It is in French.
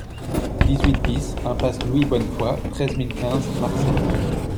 dix-huit BIS impasse Louis Bonnefoy, treize mille quinze Marseille